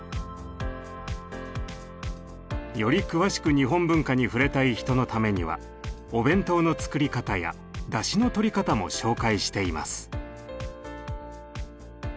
より詳しく日本文化に触れたい人のためにはお弁当の作り方やだしのとり方も紹介しています。